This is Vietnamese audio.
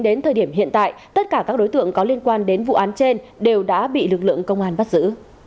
đến thời điểm hiện tại tất cả các đối tượng có liên quan đến vụ án trên đều đã bị lực lượng công an bắt giữ